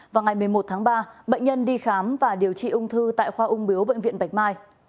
vào ngày một mươi một tháng ba bệnh nhân đi khám và điều trị ung thư tại khoa ung biếu bệnh viện bạch mai